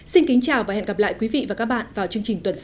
xin kính chào và hẹn gặp lại quý vị và các bạn vào chương trình tuần sau